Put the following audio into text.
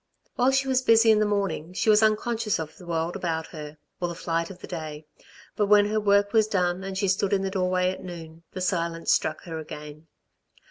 While she was busy in the morning she was unconscious of the world about her, or the flight of the day, but when her work was done and she stood in the doorway at noon, the silence struck her again.